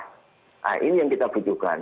nah ini yang kita butuhkan